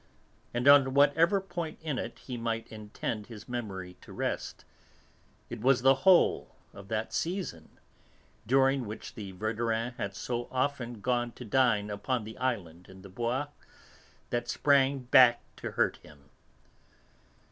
And on whatever point in it he might intend his memory to rest, it was the whole of that season, during which the Verdurins had so often gone to dine upon the Island in the Bois, that sprang back to hurt him.